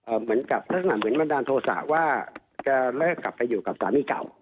เอ่อเหมือนกับสถานะเหมือนบรรดาโทรศาสตร์ว่าจะเลิกกลับไปอยู่กับสามีเก่า